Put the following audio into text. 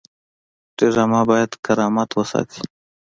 ډرامه باید کرامت وساتي